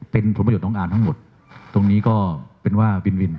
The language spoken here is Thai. เป็นผลประโยชนของอาร์ทั้งหมดตรงนี้ก็เป็นว่าวินวิน